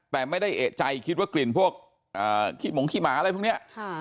แต่ไม่ได้เอกใจคิดว่ากลิ่นพวกขี้หมงขี้หมาอะไรพวกนี้